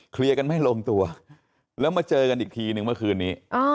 กันไม่ลงตัวแล้วมาเจอกันอีกทีนึงเมื่อคืนนี้